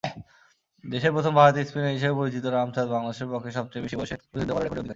দেশের প্রথম বাঁহাতি স্পিনার হিসাবে পরিচিত রাম চাঁদ বাংলাদেশের পক্ষে সবচেয়ে বেশি বয়সে প্রতিনিধিত্ব করার রেকর্ডের অধিকারী।